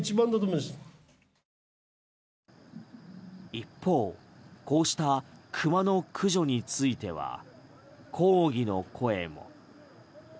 一方こうしたクマの駆除については抗議の声も。